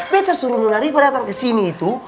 beta suruh nona riva datang kesini itu